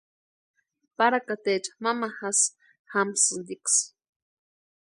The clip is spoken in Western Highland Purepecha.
Parakatecha mamajasï jamsïntiksï.